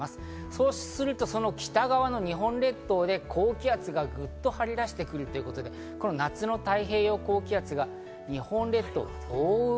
そうすると、その北側の日本列島で高気圧がぐっと張り出してくるということで、夏の太平洋高気圧が日本列島を覆う。